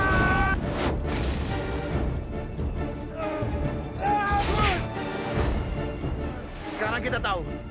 sekarang kita tahu